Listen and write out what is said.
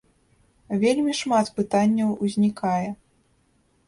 Вельмі шмат пытанняў узнікае.